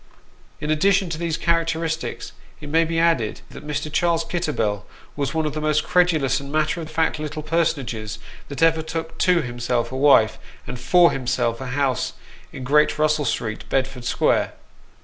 In addition to these characteristics, it may be added that Mr. Charles Kitterbell was one of the most credulous and matter of fact little personages that ever took to himself a wife, and for himself a house in Great Russell Street, Bedford Square.